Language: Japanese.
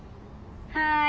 はい。